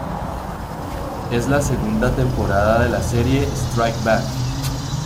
Es la segunda temporada de la serie "Strike Back".